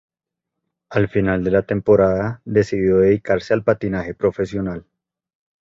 Al final de la temporada, decidió dedicarse al patinaje profesional.